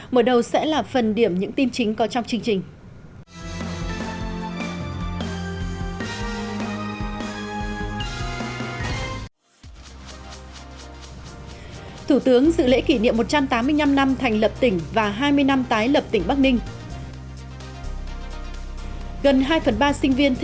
mở đầu sẽ là phần điểm những tin chính có trong chương trình